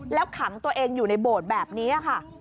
แล้วขังตัวเองอยู่ในโบสถ์แบบนี้ค่ะ